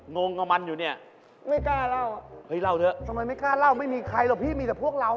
มานี่มีเรื่องอะไรเร็ว